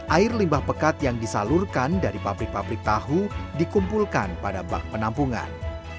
air limbah pekat yang disalurkan dari pabrik pabrik tahu dikumpulkan pada bak penampungan